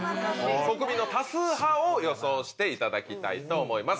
国民の多数派を予想していただきたいと思います。